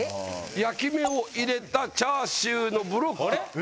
焼き目を入れたチャーシューのブロックあれ？